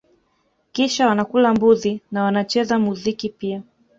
Kisha wanakula mbuzi na wanacheza muziki pia